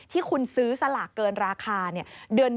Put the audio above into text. ที่คุณซื้อสลากเกินราคาเนี่ย